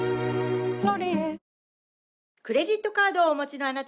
「ロリエ」